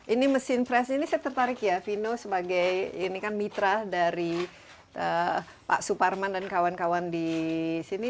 ini mesin fresh ini saya tertarik ya vino sebagai ini kan mitra dari pak suparman dan kawan kawan di sini